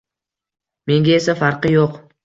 Menga esa farqi yo`q